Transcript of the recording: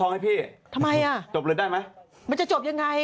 นี่ถ้าฉันได้ยี่ชิคกรทัล